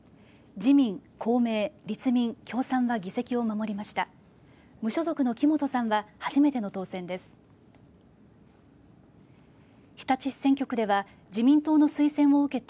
自民、公明、立民共産が議席を守りました。